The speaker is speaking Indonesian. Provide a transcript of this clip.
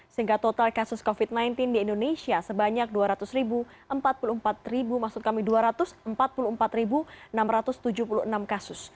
sehingga total kasus covid sembilan belas di indonesia sebanyak dua ratus empat puluh empat enam ratus tujuh puluh enam kasus